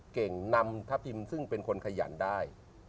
เก่งนำทัพทิมซึ่งเป็นคนขยันได้